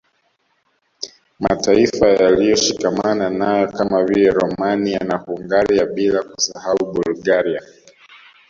Mataifa yaliyoshikamana nayo kama vile Romania na Hungaria bila kusahau Bulgaria